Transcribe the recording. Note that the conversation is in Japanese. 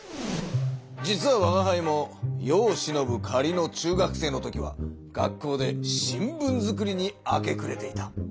実はわがはいも世をしのぶかりの中学生のときは学校で新聞作りに明けくれていた。